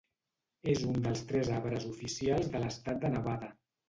És un dels tres arbres oficials de l'estat de Nevada.